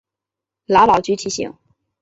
劳保局提醒